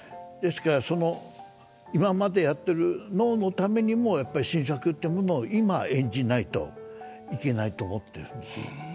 ですからその今までやってる能のためにもやっぱり新作ってものを今演じないといけないと思ってるんです。